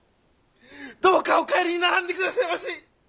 どうかお帰りにならんでくだせまし！